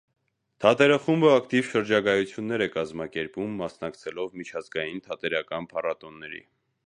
Թատերախումբը ակտիվ շրջագայություններ է կազմակերպում՝ մասնակցելով միջազգային թատերական փառատոների։